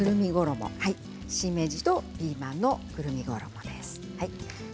しめじとピーマンのくるみ衣です。